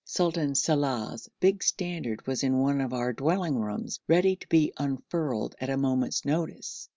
Sultan Salàh's big standard was in one of our dwelling rooms ready to be unfurled at a moment's notice.